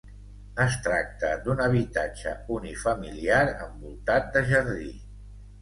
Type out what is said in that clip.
Es tracta d'un habitatge unifamiliar envoltat de jardí.